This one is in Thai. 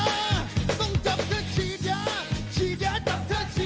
ต้องจับเธอชีด้าชีด้านจับเธอชีด้า